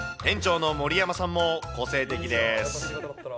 店長の森山さんも個性的です。